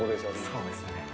そうですね。